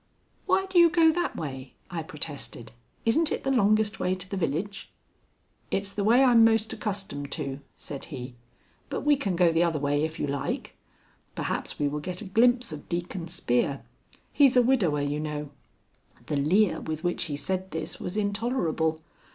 "Why do you go that way?" I protested. "Isn't it the longest way to the village?" "It's the way I'm most accustomed to," said he. "But we can go the other way if you like. Perhaps we will get a glimpse of Deacon Spear. He's a widower, you know." The leer with which he said this was intolerable.